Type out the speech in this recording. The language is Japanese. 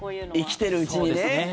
生きてるうちにね。